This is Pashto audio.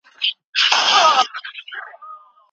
دا یو ملي حرکت دی.